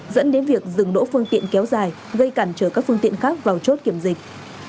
dẫn đến việc dừng đỗ phương tiện kéo dài gây cản trở các phương tiện khác vào chốt kiểm dịch